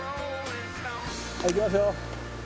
はいいきますよ。